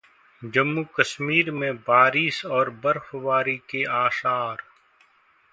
जम्मू-कश्मीर में बारिश और बर्फबारी के आसार